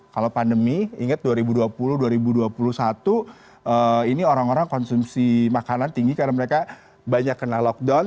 kalau pandemi ingat dua ribu dua puluh dua ribu dua puluh satu ini orang orang konsumsi makanan tinggi karena mereka banyak kena lockdown